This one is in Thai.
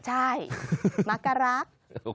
ใช่มักกะรัก